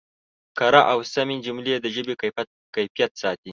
کره او سمې جملې د ژبې کیفیت ساتي.